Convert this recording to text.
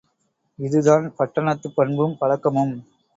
இதுதான் பட்டணத்துப் பண்பும் பழக்கமும்.